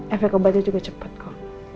efek obatnya juga cepat kok